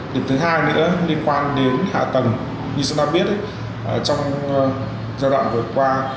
điểm thứ hai nữa liên quan đến hạ tầng như chúng ta biết trong giai đoạn vừa qua